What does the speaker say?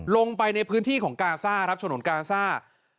ลงไปในพื้นที่ของกาซ่าครับฉนวนกาซ่า